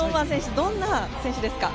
どんな選手ですか？